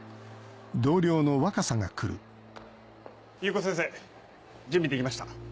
裕子先生準備できました。